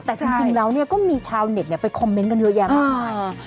แต่จริงแล้วก็มีชาวเน็ตไปคอมเมนต์กันเยอะแยะมากมาย